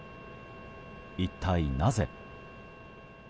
一体、なぜ。